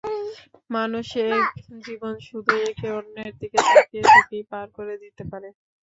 মানুষ এক জীবন শুধু একে অন্যের দিকে তাকিয়ে থেকেই পার করে দিতে পারে!